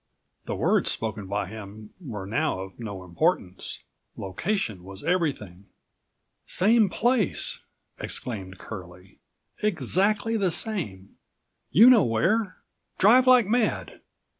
The words spoken by him were now of no importance. Location was everything. "Same place," exclaimed Curlie, "exactly the same! You know where! Drive like mad!"